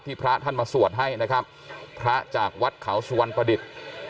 พระท่านมาสวดให้นะครับพระจากวัดเขาสุวรรณประดิษฐ์